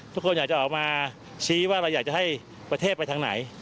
ทุกคนอยากจะออกมาชี้ว่าเราอยากจะให้ประเทศไปทางไหน